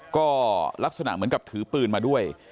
ก็ลักษณะเหมือนกับถือปืนมาด้วย